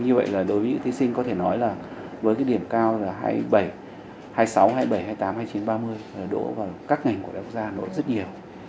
như vậy là đối với những thí sinh có thể nói là với cái điểm cao là hai mươi sáu hai mươi bảy hai mươi tám hai mươi chín ba mươi đổ vào các ngành của đại học quốc gia hà nội rất nhiều